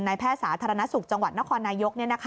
แพทย์สาธารณสุขจังหวัดนครนายก